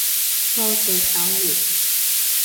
多謝守護